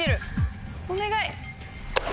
お願い。